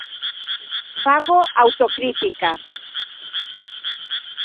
Fago autocrítica.